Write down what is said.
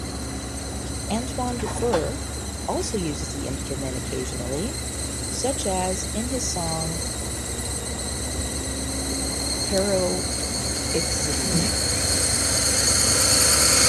Antoine Dufour also uses the instrument occasionally, such as in his song "Paroxysm".